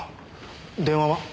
電話は？